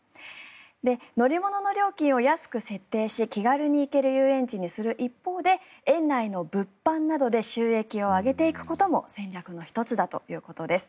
乗り物の料金を安く設定し気軽に行ける遊園地にする一方で園内の物販などで収益を上げていくことも戦略の１つだということです。